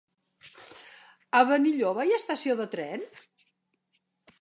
A Benilloba hi ha estació de tren?